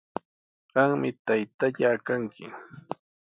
Qami taytallaa kanki.